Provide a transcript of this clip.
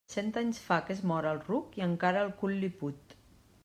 Cent anys fa que és mort el ruc i encara el cul li put.